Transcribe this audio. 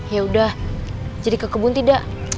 yaudah jadi ke kebun tidak